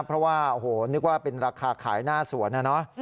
เพราะว่านึกว่าเป็นราคาขายหน้าสวนนะ